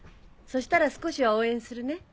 そしたら少しは応援するね。